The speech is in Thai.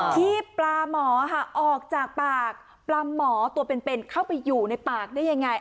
ที่ปลาหมอค่ะออกจากปากปลาหมอตัวเป็นเข้าไปอยู่ในปากได้ยังไง